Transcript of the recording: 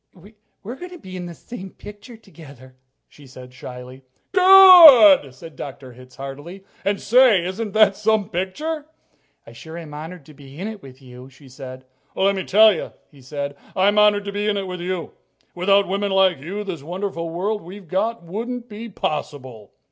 "We're going to be in the same picture together," she said shyly. "Good!" said Dr. Hitz heartily. "And, say, isn't that some picture?" "I sure am honored to be in it with you," she said. "Let me tell you," he said, "I'm honored to be in it with you. Without women like you, this wonderful world we've got wouldn't be possible."